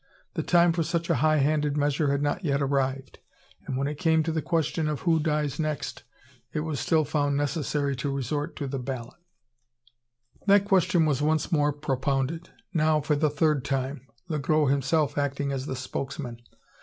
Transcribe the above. The time for such a high handed measure had not yet arrived; and when it came to the question of "Who dies next?" it was still found necessary to resort to the ballot. That question was once more propounded, now for the third time, Le Gros himself acting as the spokesman.